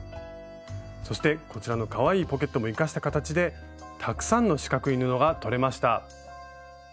そしてこちらのかわいいポケットも生かした形でたくさんの四角い布がとれました。